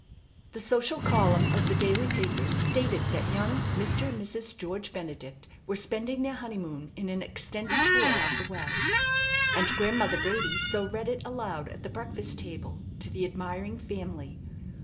The social column of the daily papers stated that young Mr. and Mrs. George Benedict were spending their honeymoon in an extended tour of the West, and Grandmother Brady so read it aloud at the breakfast table to the admiring family.